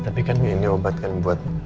tapi kan ini obat kan buat